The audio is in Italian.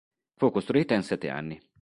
Fu costruita in sette anni.